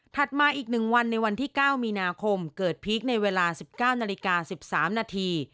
มาอีก๑วันในวันที่๙มีนาคมเกิดพีคในเวลา๑๙นาฬิกา๑๓นาที